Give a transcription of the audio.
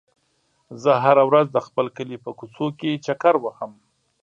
زه هره ورځ د خپل کلي په کوڅو کې چکر وهم.